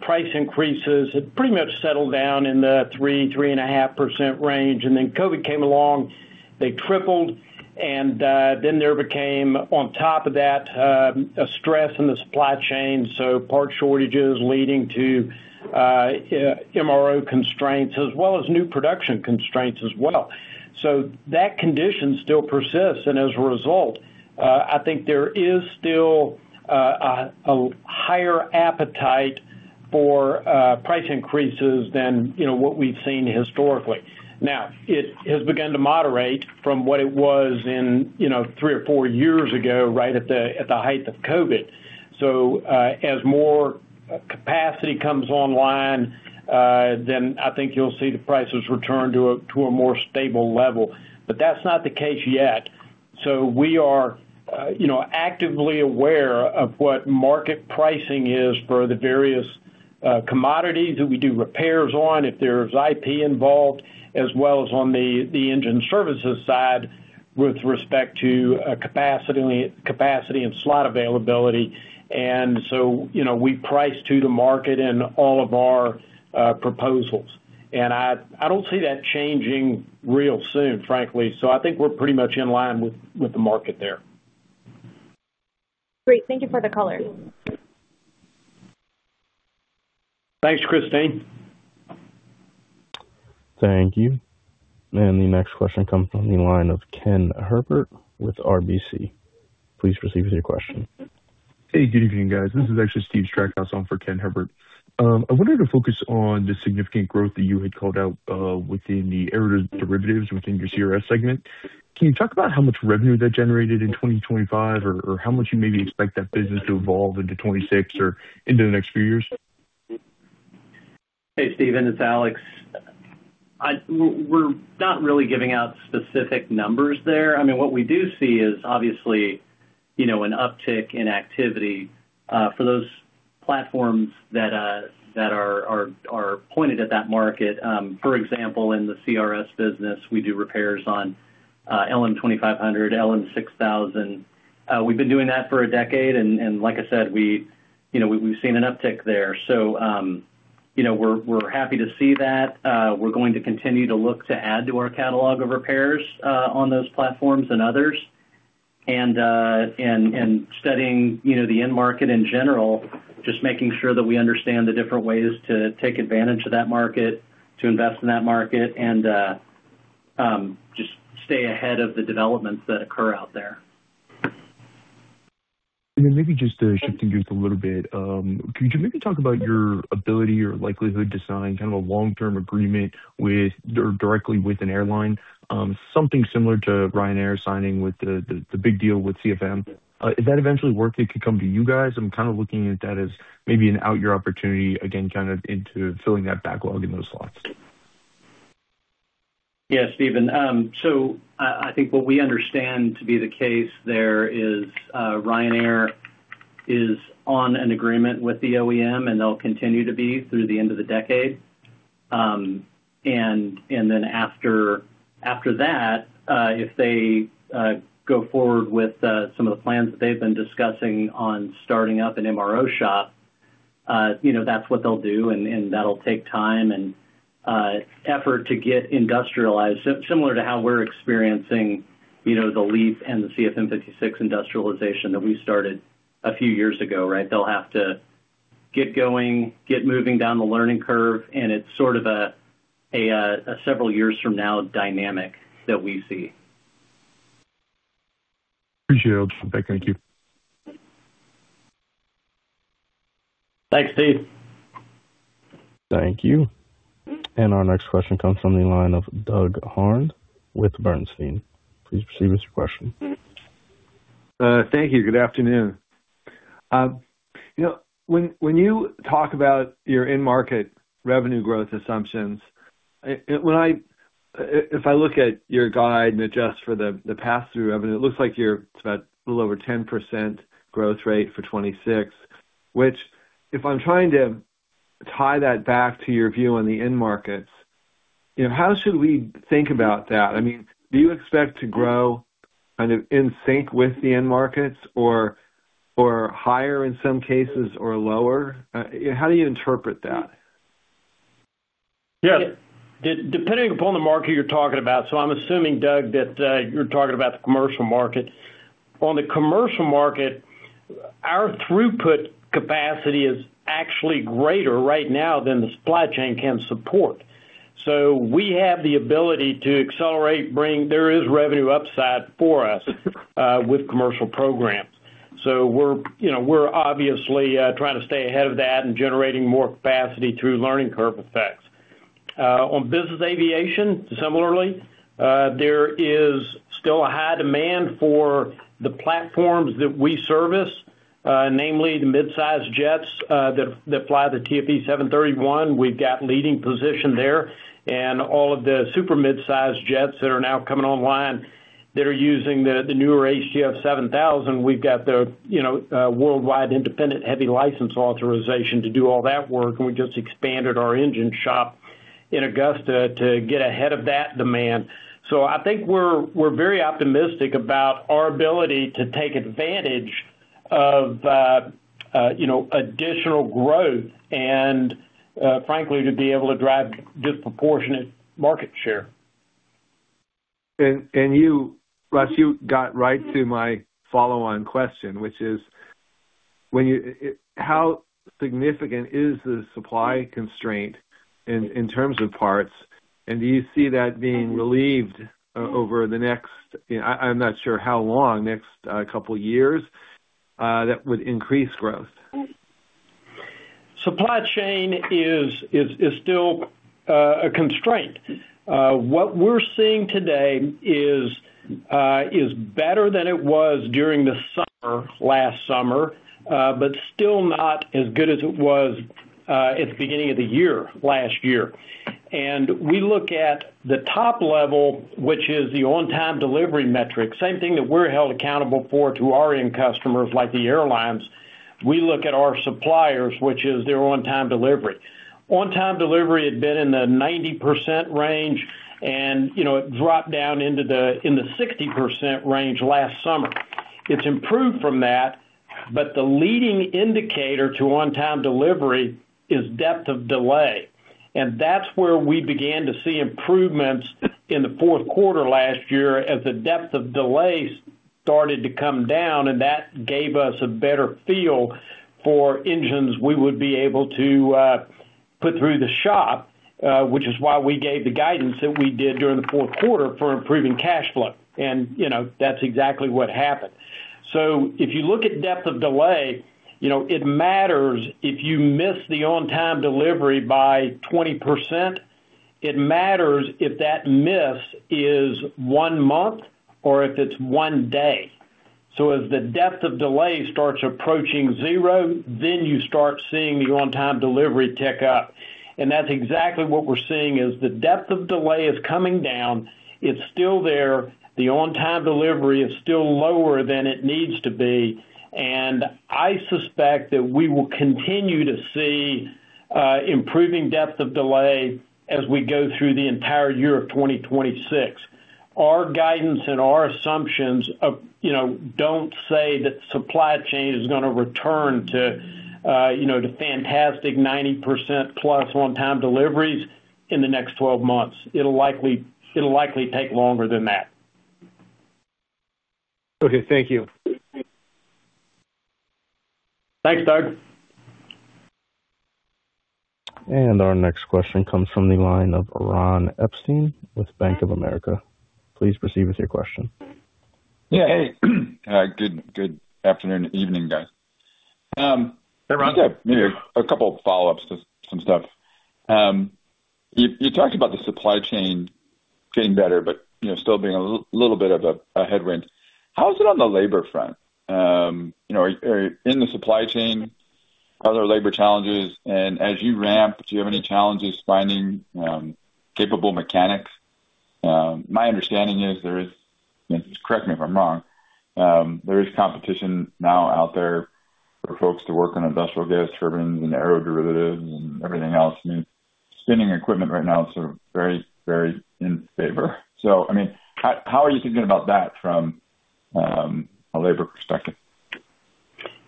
price increases had pretty much settled down in the 3-3.5% range. COVID came along, they tripled, there became, on top of that, a stress in the supply chain, so part shortages leading to MRO constraints, as well as new production constraints as well. That condition still persists, as a result, I think there is still a higher appetite for price increases than, you know, what we've seen historically. It has begun to moderate from what it was in, you know, 3 or 4 years ago, right at the height of COVID. As more capacity comes online, then I think you'll see the prices return to a more stable level. That's not the case yet. We are, you know, actively aware of what market pricing is for the various commodities that we do repairs on, if there's IP involved, as well as on the Engine Services side, with respect to capacity and slot availability. You know, we price to the market in all of our proposals, and I don't see that changing real soon, frankly. I think we're pretty much in line with the market there. Great. Thank you for the color. Thanks, Kristine. Thank you. The next question comes from the line of Ken Herbert with RBC. Please proceed with your question. Hey, good evening, guys. This is actually Steve Stryakos on for Ken Herbert. I wanted to focus on the significant growth that you had called out within the aeroderivatives within your CRS segment. Can you talk about how much revenue that generated in 2025, or how much you maybe expect that business to evolve into 2026 or into the next few years? Hey, Steven, it's Alex. We're not really giving out specific numbers there. I mean, what we do see is, obviously you know, an uptick in activity for those platforms that are pointed at that market. For example, in the CRS business, we do repairs on LM2500, LM6000. We've been doing that for a decade, and like I said, we, you know, we've seen an uptick there. You know, we're happy to see that. We're going to continue to look to add to our catalog of repairs on those platforms and others. Studying, you know, the end market in general, just making sure that we understand the different ways to take advantage of that market, to invest in that market, and just stay ahead of the developments that occur out there. Maybe just to shifting gears a little bit, could you maybe talk about your ability or likelihood to sign kind of a long-term agreement directly with an airline, something similar to Ryanair signing with the big deal with CFM? Is that eventually work that could come to you guys? I'm kind of looking at that as maybe an outyear opportunity, again, kind of into filling that backlog in those slots. Yeah, Steven. I think what we understand to be the case there is, Ryanair is on an agreement with the OEM, and they'll continue to be through the end of the decade. Then after that, if they go forward with some of the plans that they've been discussing on starting up an MRO shop, you know, that's what they'll do, and that'll take time and effort to get industrialized. Similar to how we're experiencing, you know, the LEAP and the CFM56 industrialization that we started a few years ago, right? They'll have to get going, get moving down the learning curve, and it's sort of a several years from now dynamic that we see. Appreciate it. Thank you. Thanks, Steve. Thank you. Our next question comes from the line of Doug Harned with Bernstein. Please proceed with your question. Thank you. Good afternoon. You know, when you talk about your end market revenue growth assumptions, when if I look at your guide and adjust for the pass-through revenue, it looks like you're about a little over 10% growth rate for 2026, which, if I'm trying to tie that back to your view on the end markets, you know, how should we think about that? I mean, do you expect to grow kind of in sync with the end markets or higher in some cases, or lower? How do you interpret that? Yeah. Depending upon the market you're talking about, I'm assuming, Doug, that you're talking about the commercial market. On the commercial market, our throughput capacity is actually greater right now than the supply chain can support. We have the ability to accelerate, there is revenue upside for us, with commercial programs. We're, you know, we're obviously, trying to stay ahead of that and generating more capacity through learning curve effects. On business aviation, similarly, there is still a high demand for the platforms that we service, namely the midsize jets, that fly the TFE731. We've got leading position there. All of the super midsize jets that are now coming online that are using the newer HTF7000, we've got the, you know, worldwide independent, heavy license authorization to do all that work. We just expanded our engine shop in Augusta to get ahead of that demand. I think we're very optimistic about our ability to take advantage of, you know, additional growth and, frankly, to be able to drive disproportionate market share. You, Russ, you got right to my follow-on question, which is, when you how significant is the supply constraint in terms of parts? Do you see that being relieved over the next, you know, I'm not sure how long, next couple years, that would increase growth? Supply chain is still a constraint. What we're seeing today is better than it was during the summer, last summer, but still not as good as it was at the beginning of the year, last year. We look at the top level, which is the on-time delivery metric, same thing that we're held accountable for to our end customers, like the airlines. We look at our suppliers, which is their on-time delivery. On-time delivery had been in the 90% range, and, you know, it dropped down in the 60% range last summer. It's improved from that, but the leading indicator to on-time delivery is depth of delay, and that's where we began to see improvements in the Q4 last year as the depth of delays started to come down, and that gave us a better feel for engines we would be able to put through the shop, which is why we gave the guidance that we did during the Q4 for improving cash flow. You know, that's exactly what happened. If you look at depth of delay, you know, it matters if you miss the on-time delivery by 20%, it matters if that miss is one month or if it's one day. As the depth of delay starts approaching zero, then you start seeing the on-time delivery tick up. That's exactly what we're seeing, is the depth of delay is coming down. It's still there. The on-time delivery is still lower than it needs to be, and I suspect that we will continue to see improving depth of delay as we go through the entire year of 2026. Our guidance and our assumptions of, you know, don't say that supply chain is gonna return to, you know, to fantastic 90% plus on-time deliveries in the next 12 months. It'll likely take longer than that. Okay, thank you. Thanks, Doug. Our next question comes from the line of Ron Epstein with Bank of America. Please proceed with your question. Yeah. Hey, good afternoon, evening, guys. Hey, Ron. Yeah, maybe a couple follow-ups to some stuff. You talked about the supply chain getting better, but, you know, still being a little bit of a headwind. How is it on the labor front? You know, are in the supply chain, are there labor challenges? As you ramp, do you have any challenges finding capable mechanics? My understanding is there is, and correct me if I'm wrong, there is competition now out there for folks to work on industrial gas turbines and aeroderivatives and everything else. I mean, spinning equipment right now is sort of very in favor. I mean, how are you thinking about that from a labor perspective?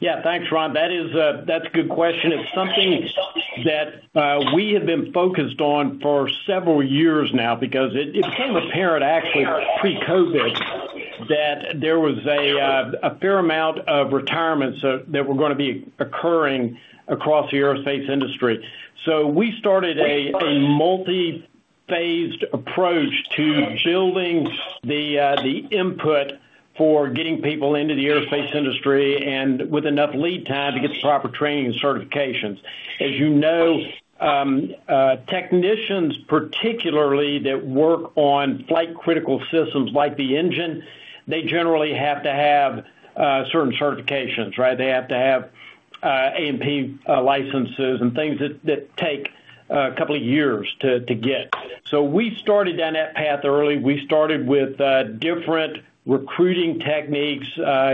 Thanks, Ron. That is, that's a good question. It's something that we have been focused on for several years now, because it became apparent actually pre-COVID, that there was a fair amount of retirements that were gonna be occurring across the aerospace industry. We started a multiphased approach to building the input for getting people into the aerospace industry and with enough lead time to get the proper training and certifications. As you know, technicians, particularly that work on flight critical systems like the engine, they generally have to have certain certifications, right? They have to have A&P licenses and things that take a couple of years to get. We started down that path early. We started with different recruiting techniques,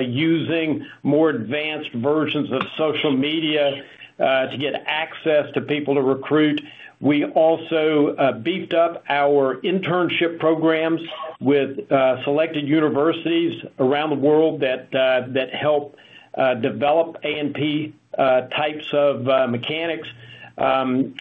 using more advanced versions of social media, to get access to people to recruit. We also beefed up our internship programs with selected universities around the world that help develop A&P types of mechanics.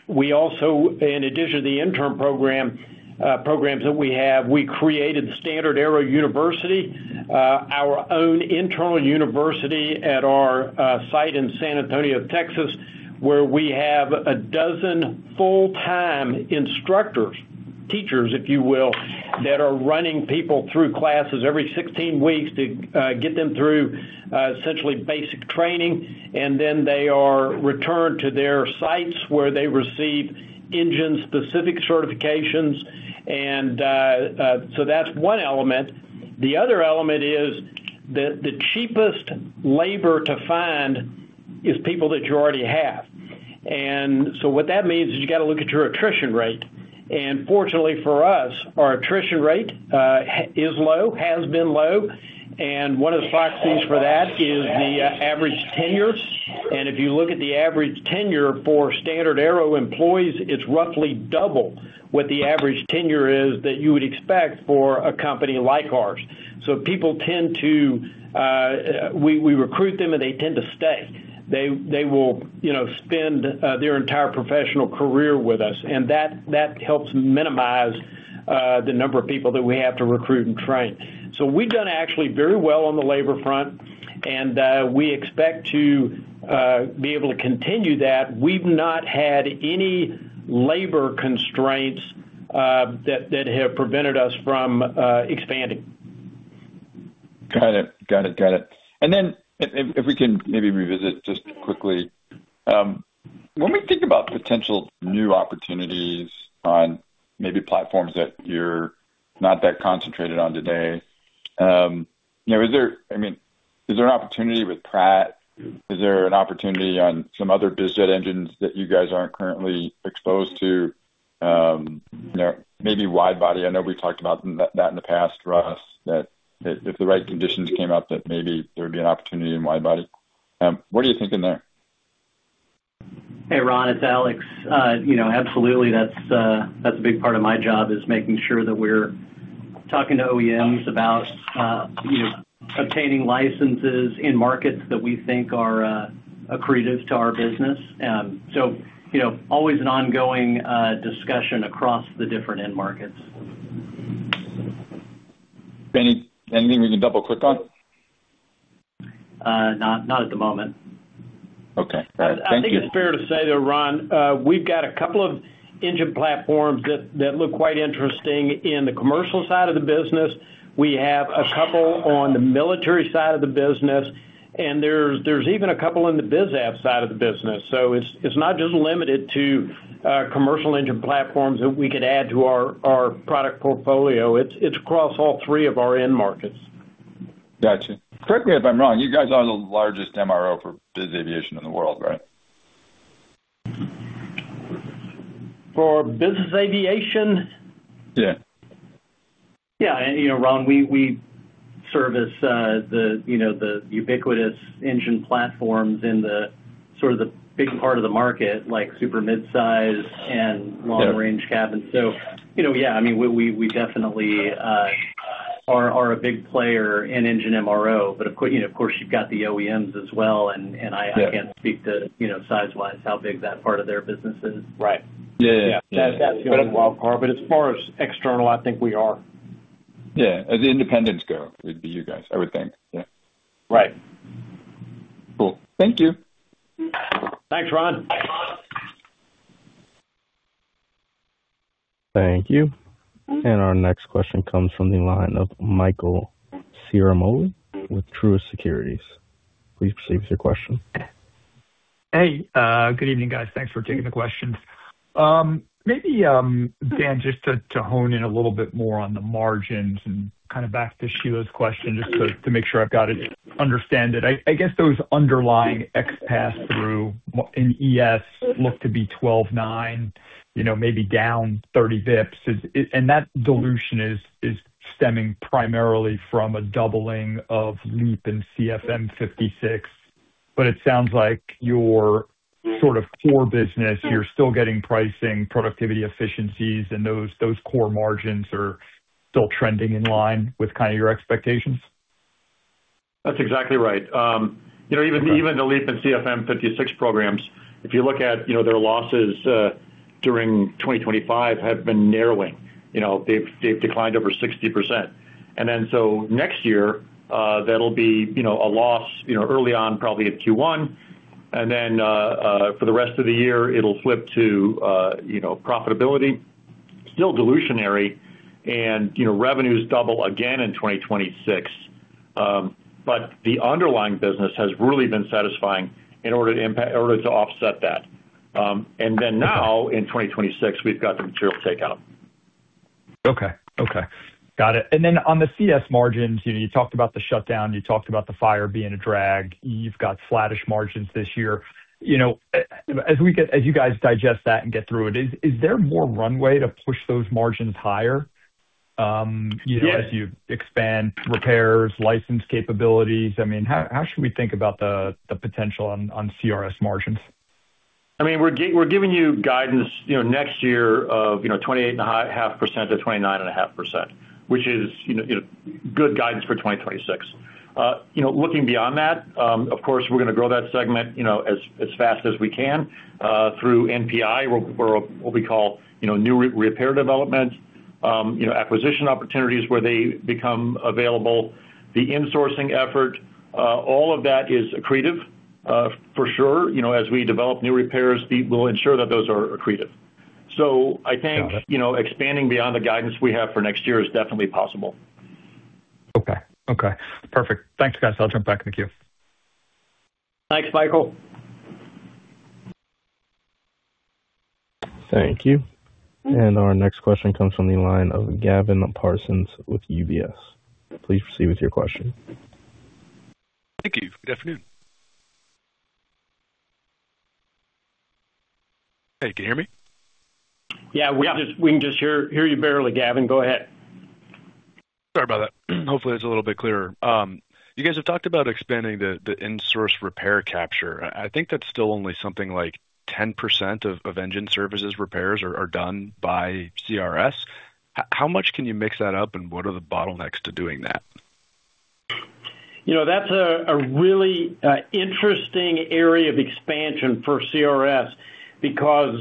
We also, in addition to the intern program, programs that we have, we created StandardAero University, our own internal university at our site in San Antonio, Texas, where we have a dozen full-time instructors, teachers, if you will, that are running people through classes every 16 weeks to get them through essentially basic training, and then they are returned to their sites, where they receive engine-specific certifications, and so that's one element. The other element is that the cheapest labor to find is people that you already have. What that means is you got to look at your attrition rate, and fortunately for us, our attrition rate is low, has been low, and one of the proxies for that is the average tenure. If you look at the average tenure for StandardAero employees, it's roughly double what the average tenure is that you would expect for a company like ours. We recruit them, and they tend to stay. They will, you know, spend their entire professional career with us, and that helps minimize the number of people that we have to recruit and train. We've done actually very well on the labor front, and we expect to be able to continue that. We've not had any labor constraints that have prevented us from expanding. Got it. Got it, got it. If we can maybe revisit just quickly. When we think about potential new opportunities on maybe platforms that you're not that concentrated on today, you know, I mean, is there an opportunity with Pratt? Is there an opportunity on some other biz jet engines that you guys aren't currently exposed to? you know, maybe wide body. I know we talked about that in the past, Russ, that if the right conditions came up, that maybe there would be an opportunity in wide body. What are you thinking there? Hey, Ron, it's Alex. You know, absolutely. That's a big part of my job, is making sure that we're talking to OEMs about, you know, obtaining licenses in markets that we think are, accretive to our business. You know, always an ongoing discussion across the different end markets. Anything we can double-click on? Not at the moment. Okay. All right. Thank you. I think it's fair to say, though, Ron, we've got a couple of engine platforms that look quite interesting in the commercial side of the business. We have a couple on the military side of the business, and there's even a couple in the BizAv side of the business. It's not just limited to commercial engine platforms that we could add to our product portfolio. It's across all three of our end markets. Gotcha. Correct me if I'm wrong, you guys are the largest MRO for business aviation in the world, right? For business aviation? Yeah. Yeah, you know, Ron, we service the, you know, the ubiquitous engine platforms in the sort of the big part of the market, like super mid-size and long-range cabins. You know, yeah, I mean, we definitely are a big player in engine MRO, of course, you know, of course, you've got the OEMs as well. Yeah. I can't speak to, you know, size-wise, how big that part of their business is. Right. Yeah, yeah. That's a wild card, but as far as external, I think we are. Yeah, as independents go, it'd be you guys, I would think. Yeah. Right. Cool. Thank you. Thanks, Ron. Thank you. Our next question comes from the line of Michael Ciarmoli with Truist Securities. Please proceed with your question. Hey, good evening, guys. Thanks for taking the questions. Maybe, Dan, just to hone in a little bit more on the margins and kind of back to Sheila's question, just to make sure I've got it, understand it. I guess those underlying X pass-through in ES look to be 12.9%, you know, maybe down 30 VIPS. That dilution is stemming primarily from a doubling of LEAP and CFM56. It sounds like your sort of core business, you're still getting pricing, productivity efficiencies, and those core margins are still trending in line with kind of your expectations? That's exactly right. You know, even the LEAP and CFM56 programs, if you look at, you know, their losses, during 2025 have been narrowing. You know, they've declined over 60%. Next year, that'll be, you know, a loss, you know, early on, probably in Q1, and then, for the rest of the year, it'll flip to, you know, profitability. Still dilutionary, you know, revenues double again in 2026. The underlying business has really been satisfying in order to offset that. Now, in 2026, we've got the material take out. Okay. Okay, got it. On the CS margins, you know, you talked about the shutdown, you talked about the fire being a drag. You've got flattish margins this year. You know, as you guys digest that and get through it, is there more runway to push those margins higher? Yes. you know, as you expand repairs, license capabilities? I mean, how should we think about the potential on CRS margins? I mean, we're giving you guidance, you know, next year of, you know, 28.5% to 29.5%, which is, you know, you know, good guidance for 2026. You know, looking beyond that, of course, we're going to grow that segment, you know, as fast as we can through NPI, or what we call, you know, new repair development, you know, acquisition opportunities where they become available, the insourcing effort, all of that is accretive for sure. You know, as we develop new repairs, we'll ensure that those are accretive. I think. Got it. You know, expanding beyond the guidance we have for next year is definitely possible. Okay. Okay, perfect. Thanks, guys. I'll jump back in the queue. Thanks, Michael. Thank you. Our next question comes from the line of Gavin Parsons with UBS. Please proceed with your question. Thank you. Good afternoon. Hey, can you hear me? Yeah, we can. Yeah. We can just hear you barely, Gavin. Go ahead. Sorry about that. Hopefully, it's a little bit clearer. You guys have talked about expanding the in-source repair capture. I think that's still only something like 10% of Engine Services repairs are done by CRS. How much can you mix that up, and what are the bottlenecks to doing that? You know, that's a really interesting area of expansion for CRS because,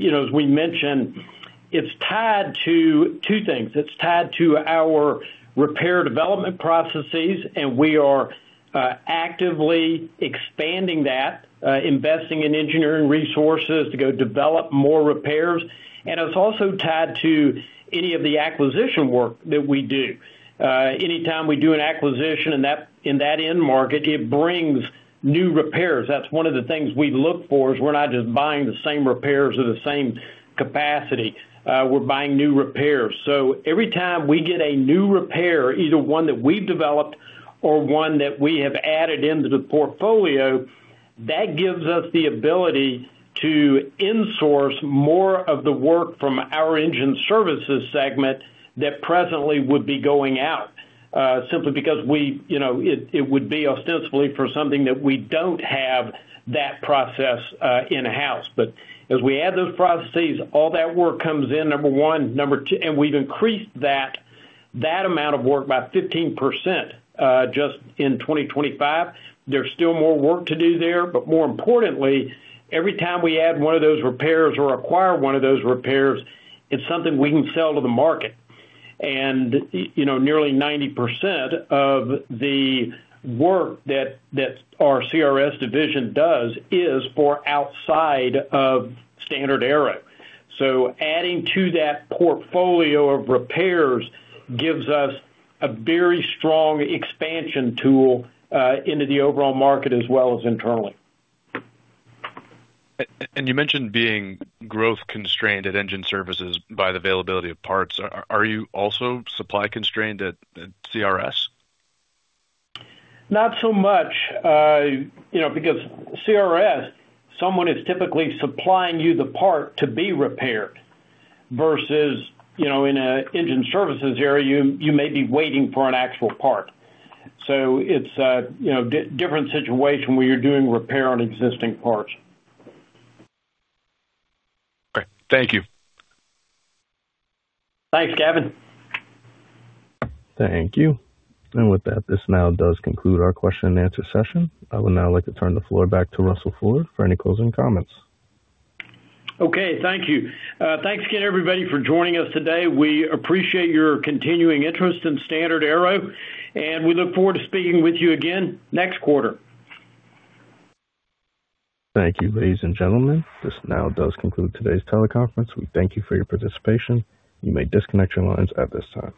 you know, as we mentioned, it's tied to two things. It's tied to our repair development processes, and we are actively expanding that, investing in engineering resources to go develop more repairs. It's also tied to any of the acquisition work that we do. Anytime we do an acquisition in that, in that end market, it brings new repairs. That's one of the things we look for, is we're not just buying the same repairs or the same capacity. We're buying new repairs. Every time we get a new repair, either one that we've developed or one that we have added into the portfolio, that gives us the ability to insource more of the work from our Engine Services segment that presently would be going out, simply because we, you know, it would be ostensibly for something that we don't have that process in-house. But as we add those processes, all that work comes in, number one. Number two. We've increased that amount of work by 15%, just in 2025. There's still more work to do there, but more importantly, every time we add one of those repairs or acquire one of those repairs, it's something we can sell to the market. You know, nearly 90% of the work that our CRS division does is for outside of StandardAero. Adding to that portfolio of repairs gives us a very strong expansion tool, into the overall market as well as internally. You mentioned being growth-constrained at Engine Services by the availability of parts. Are you also supply-constrained at CRS? Not so much, you know, because CRS, someone is typically supplying you the part to be repaired versus, you know, in a Engine Services area, you may be waiting for an actual part. It's a, you know, different situation where you're doing repair on existing parts. Great. Thank you. Thanks, Gavin. Thank you. With that, this now does conclude our question and answer session. I would now like to turn the floor back to Russell Ford for any closing comments. Okay. Thank you. Thanks again, everybody, for joining us today. We appreciate your continuing interest in StandardAero. We look forward to speaking with you again next quarter. Thank you, ladies and gentlemen. This now does conclude today's teleconference. We thank you for your participation. You may disconnect your lines at this time.